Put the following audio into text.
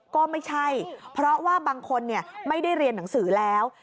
ก็ไม่ใช่เพราะว่าบางคนไม่ได้เรียนหนังสือแล้ว